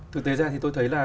thực tế ra thì tôi thấy là